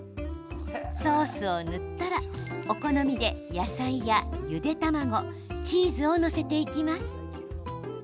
ソースを塗ったらお好みで野菜やゆで卵チーズを載せていきます。